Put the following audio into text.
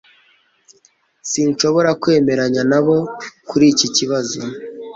sinshobora kwemeranya nabo kuri iki kibazo